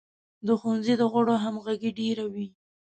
د ښوونځي د غړو همغږي ډیره وي.